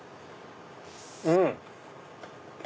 うん！